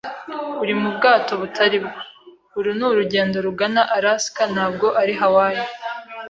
Uri mubwato butari bwo. Uru ni urugendo rugana Alaska, ntabwo ari Hawaii.